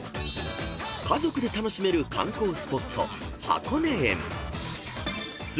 ［家族で楽しめる観光スポット］